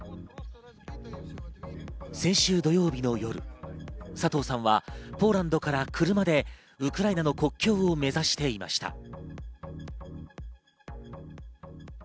先週土曜日の夜、佐藤さんはポーランドから車でウクライナの国境を目指していました。